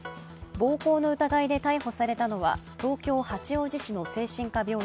暴行の疑いで逮捕されたのは東京・八王子市の精神科病院